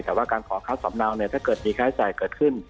แต่ว่าการขอคัดสำเนาเนี่ยถ้าเกิดมีค่าใช้จ่ายเกิดขึ้น